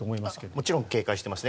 もちろん警戒していますね